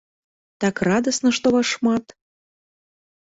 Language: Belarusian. Так радасна, што вас шмат!